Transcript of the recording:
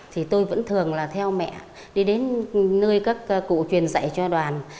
thì tôi vẫn thường là theo mẹ đi đến nơi các cụ truyền dạy cho đoàn